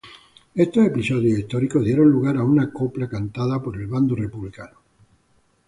Estos episodios históricos dieron lugar a una copla cantada por el bando republicano.